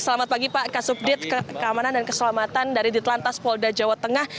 selamat pagi pak kasup dit keamanan dan keselamatan dari ditlantas polda jawa tengah